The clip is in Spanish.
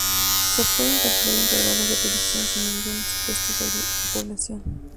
Se pueden calcular intervalos de predicción sin ningún supuesto sobre la población.